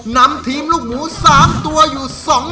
นำทีมลูกหมู๓ตัวอยู่